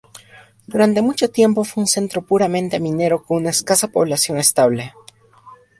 Durante mucho tiempo fue un centro puramente minero con una escasa población estable.